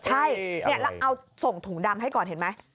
ใช่แล้วเอาส่งถุงดำให้ก่อนเห็นไหม